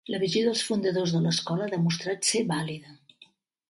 La visió dels fundadors de l'escola ha demostrat ser vàlida.